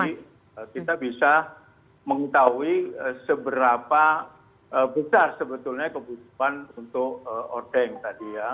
kita bisa mengetahui seberapa besar sebetulnya kebutuhan untuk ordeng tadi ya